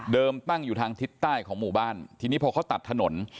ตั้งอยู่ทางทิศใต้ของหมู่บ้านทีนี้พอเขาตัดถนน